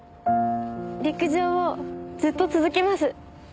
陸上をずっと続けます。